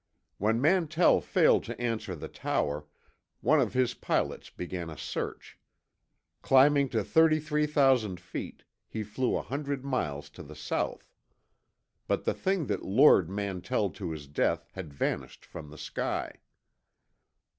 When Mantell failed to answer the tower, one of his pilots began a search. Climbing to 33,000 feet, he flew a hundred miles to the south. But the thing that lured Mantell to his death had vanished from the sky.